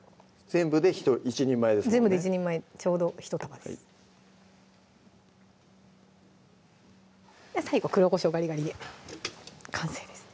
全部で１人前ちょうど１束です最後黒こしょうガリガリで完成です